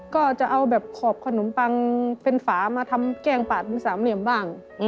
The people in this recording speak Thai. ก็จะเอาแบบขอบขนมปังเป็นฝามาทำแกล้งปาดเป็นสามเหลี่ยมบ้าง